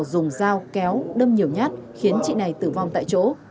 dùng dao kéo đâm nhiều nhát khiến chị này tử vong tại chỗ